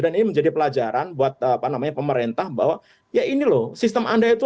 dan ini menjadi pelajaran buat apa namanya pemerintah bahwa ya ini loh sistem anda itu